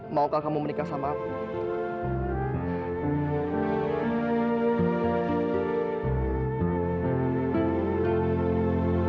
maukah kamu menikah sama aku